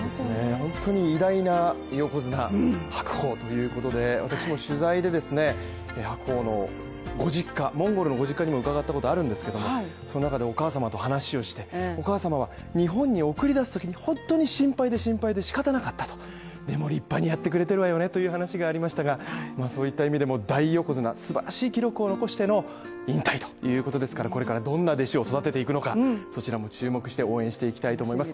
本当に偉大な横綱白鵬ということで、私も取材でですね白鵬のご実家モンゴルのご実家にも伺ったことあるんですけども、その中でお母様と話をして、お母様は日本に送り出すときに、本当に心配で心配で仕方なかったとでも立派にやってくれてるわよねという話がありましたがそういった意味でも大横綱素晴らしい記録を残しての引退ということですからこれからどんな弟子を育てていくのか、そちらも注目して応援していきたいと思います